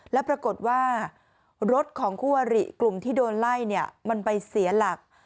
แล้วปรากฏว่ารถของคู่อริกลุ่มที่โดนไล่เนี่ยมันไปเสียหลัก